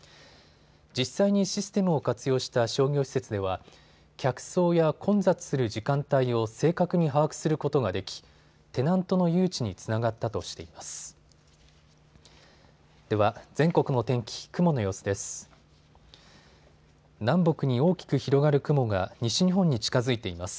実際にシステムを活用した商業施設では客層や混雑する時間帯を正確に把握することができテナントの誘致につながったとしています。